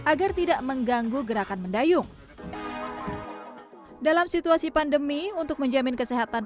agar tidak mengganggu gerakan mendayung dalam situasi pandemi untuk menjamin kesehatan